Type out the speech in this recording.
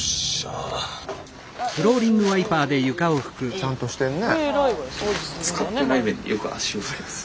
ちゃんとしてんね。